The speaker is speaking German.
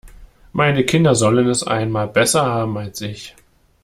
Meine Kinder sollen es einmal besser haben als ich.